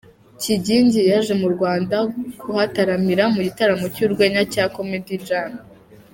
Kigingi yaje mu Rwanda kuhataramira mu gitaramo cy’urwenya cya Comedy Jam.